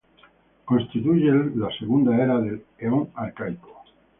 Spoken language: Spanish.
Constituye la segunda era del Eón Arcaico.